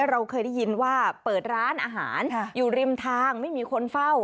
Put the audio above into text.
เราเคยได้ยินว่าเปิดร้านอาหารอยู่ริมทางไม่มีคนเฝ้า